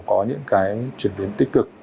có những chuyển biến tích cực